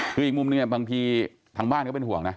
คืออีกมุมนึงเนี่ยบางทีทางบ้านก็เป็นห่วงนะ